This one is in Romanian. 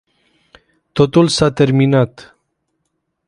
Totul s-a terminat.